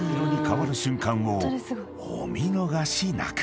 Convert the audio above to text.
［お見逃しなく］